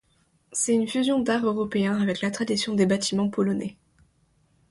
C'est une fusion d'art européen avec la tradition des bâtiments polonais.